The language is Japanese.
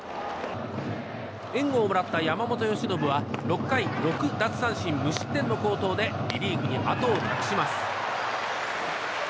援護をもらった山本由伸は６回６奪三振無失点の好投でリリーフにあとを託します。